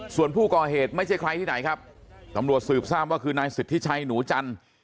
ส่วนผู้ก่อเหตุไม่ใช่ใครที่ไหนครับตำรวจสืบทราบว่าคือนายสิทธิชัยหนูจันทร์